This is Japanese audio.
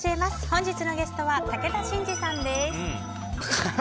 本日のゲストは武田真治さんです。